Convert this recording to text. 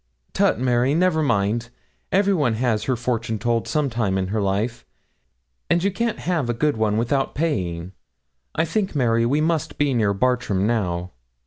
'Tut, Mary, never mind. Everyone has her fortune told some time in her life, and you can't have a good one without paying. I think, Mary, we must be near Bartram now.'